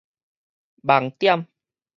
網點